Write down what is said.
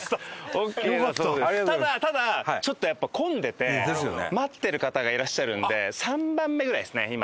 ただちょっとやっぱ混んでて待ってる方がいらっしゃるんで３番目ぐらいですね今。